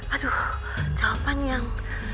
aduh jawaban yang